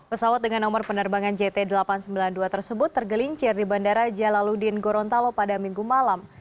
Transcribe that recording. pesawat dengan nomor penerbangan jt delapan ratus sembilan puluh dua tersebut tergelincir di bandara jalaludin gorontalo pada minggu malam